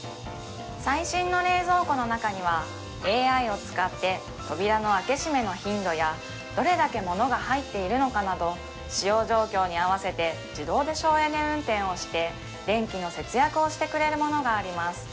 最新の冷蔵庫の中にはＡＩを使って扉の開け閉めの頻度やどれだけ物が入っているのかなど使用状況に合わせて自動で省エネ運転をして電気の節約をしてくれるものがあります